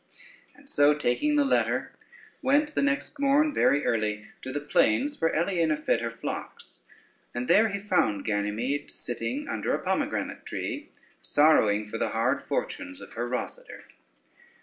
And so, taking the letter, went the next morn very early to the plains where Aliena fed her flocks, and there he found Ganymede, sitting under a pomegranate tree, sorrowing for the hard fortunes of her Rosader.